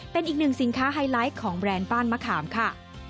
เป็นอีกหนึ่งสินค้าไฮไลท์ของแบรนด์บ้านมะขามค่ะ